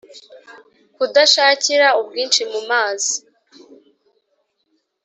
kudashakira ubwinshi mu mazi